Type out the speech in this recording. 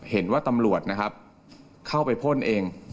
เห็นว่าตำรวจเข้าไปพ่นเอง